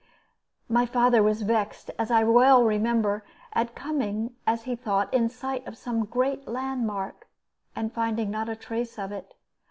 My father was vexed, as I well remember, at coming, as he thought, in sight of some great landmark, and finding not a trace of it.